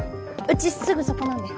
うちすぐそこなんで。